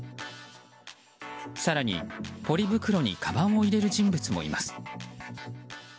更に、ポリ袋にかばんを入れる人物もいます。